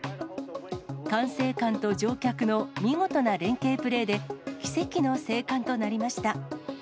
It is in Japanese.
管制官と乗客の見事な連係プレーで奇跡の生還となりました。